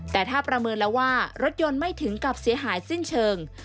แต่ถ้าประเมินแล้วว่ารถยนต์ไม่ถึงกับเสียหายสิ้นเชิง